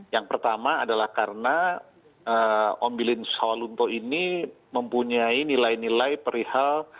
yang pertama adalah karena om bilin sawalunto ini mempunyai nilai nilai perihal